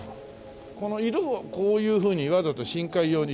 この色はこういうふうにわざと深海用にしてるんですか？